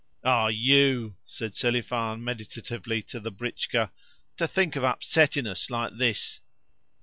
"Ah, you!" said Selifan meditatively to the britchka. "To think of upsetting us like this!"